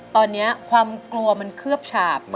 ตอนนี้ความกลัวมันเคลือบฉาบ